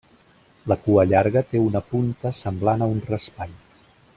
La cua llarga té una punta semblant a un raspall.